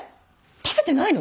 食べてないの？